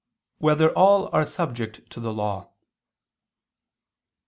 5] Whether All Are Subject to the Law?